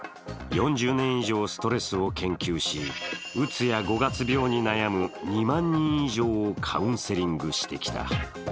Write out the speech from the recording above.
４０年以上ストレスを研究しうつや五月病に悩む２万人以上をカウンセリングしてきた。